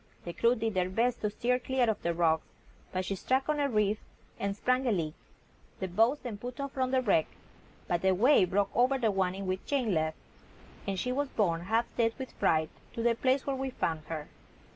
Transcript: The crew did their best to steer clear of the rocks, but she struck on a reef and sprung a leak. The boats then put off from the wreck, but a wave broke over the one in which Jane left, and she was borne, half dead with fright, to the place where we found her.